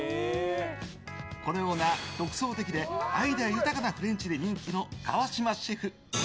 このような、独創的でアイデア豊かなフレンチで人気の川島シェフ。